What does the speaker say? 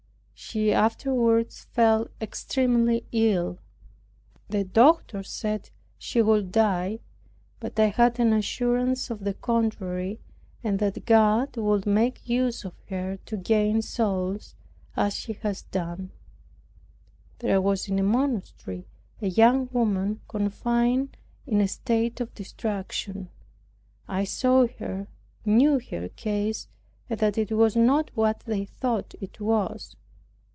She afterward, fell extremely ill. The doctors said she would die; but I had an assurance of the contrary, and that God would make use of her to gain souls, as he has done. There was in a monastery a young woman confined in a state of distraction. I saw her, knew her case, and that it was not what they thought it was.